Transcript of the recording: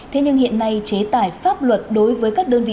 thế nhưng hiện nay chế tải pháp luật đối với các đơn vị doanh nghiệp